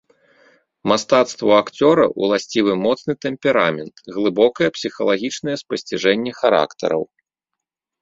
Мастацтву акцёра ўласцівы моцны тэмперамент, глыбокае псіхалагічнае спасціжэнне характараў.